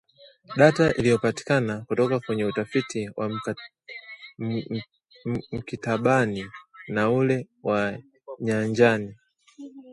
Data iliyopatikana kutoka kwenye utafiti wa maktabani na ule wa nyanjani